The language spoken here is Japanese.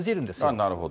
なるほど。